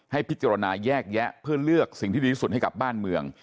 พิจารณาแยกแยะเพื่อเลือกสิ่งที่ดีที่สุดให้กับบ้านเมือง